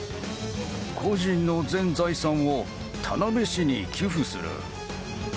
個人の全財産を田辺市に寄付する。